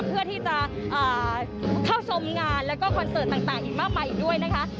เพื่อที่จะเข้าชมงานแล้วก็คอนเสิร์ตต่างอีกมากมายอีกด้วยนะคะ